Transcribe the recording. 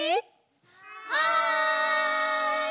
はい！